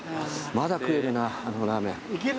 まだ食えるなあのラーメン。